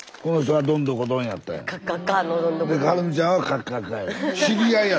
はるみちゃんはカッカッカや。